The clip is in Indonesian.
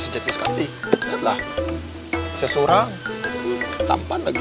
sedeki sekali adalah seseorang tak tahu